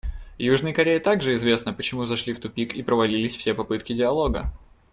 Южной Корее также известно, почему зашли в тупик и провалились все попытки диалога.